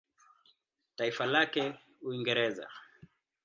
Taifa lake Uingereza.